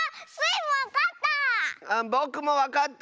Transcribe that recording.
ぼくもわかった！